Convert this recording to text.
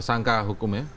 persangka hukum ya